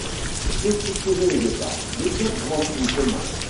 Peu structuré au départ, le club grandit doucement.